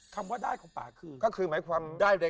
คำว่าได้ของป๊าคือได้ในคัตตอนในความเป็นไป